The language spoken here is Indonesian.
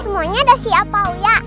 semuanya udah siap pak uya